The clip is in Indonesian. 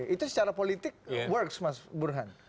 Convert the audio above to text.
itu secara politik works mas burhan